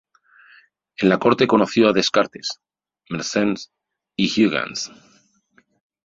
En la Corte conoció ar Descartes, Mersenne y Huygens.